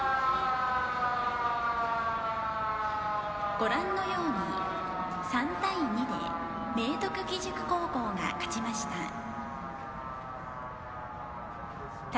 ご覧のように３対２で明徳義塾高校が勝ちました。